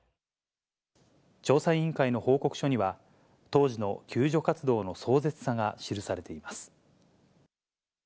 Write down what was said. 調査委員会の報告書には、当時の救助活動の壮絶さが記されています。